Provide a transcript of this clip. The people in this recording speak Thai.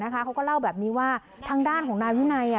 เขาก็เล่าแบบนี้ว่าทางด้านของนายวินัย